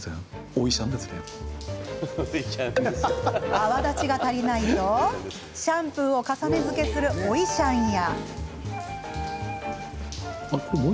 泡立ちが足りないとシャンプーを重ねづけする追いシャンや。